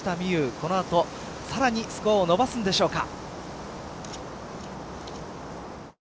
この後さらにスコアを伸ばすんでしょうか。